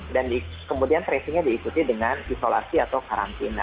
dan kemudian tracingnya diikuti dengan isolasi atau karantina